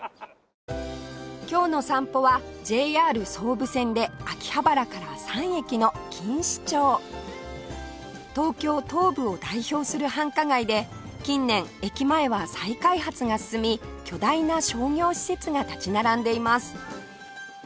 今日の散歩は ＪＲ 総武線で秋葉原から３駅の錦糸町東京東部を代表する繁華街で近年駅前は再開発が進み巨大な商業施設が立ち並んでいます